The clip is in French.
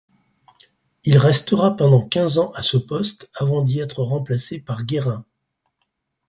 Il restera pendant quinze ans à ce poste avant d'y être remplacé par Guerrin.